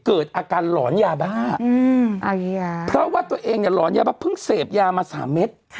เกิดอาการหลอนยาบ้าเพราะว่าตัวเองเนี่ยหลอนยาบ้าเพิ่งเสพยามา๓เม็ด